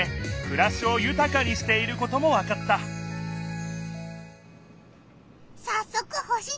くらしをゆたかにしていることもわかったさっそく星におくろう！